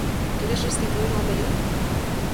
Queres restituír o apelido?